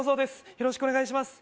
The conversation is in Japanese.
よろしくお願いします